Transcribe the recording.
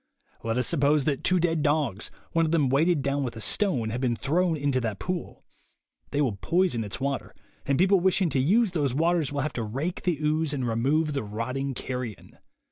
Let us suppose that two dead dogs, one of them weighted down with a stone, have been thrown into that pool. They will poison its water, and people wishing to use those waters will have to rake the ooze and re move the rotting carrion.